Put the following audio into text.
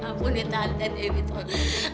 aku ini tante dewi tolong